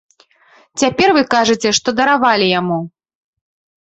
Цяпер вы кажаце, што даравалі яму.